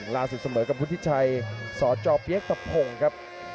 ล่าสุดเสมอกับพุทธิชัยสจเปี๊ยกตะพงครับ